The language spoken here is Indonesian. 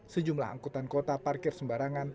sejumlah angkutan kota parkir sembarangan